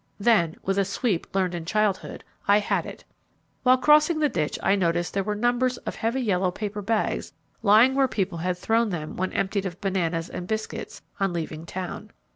Then with a sweep learned in childhood, I had it. While crossing the ditch, I noticed there were numbers of heavy yellow paper bags lying where people had thrown them when emptied of bananas and biscuits, on leaving town.